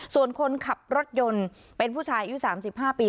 ส่วนคนขับรถยนต์เป็นผู้ชายอายุ๓๕ปี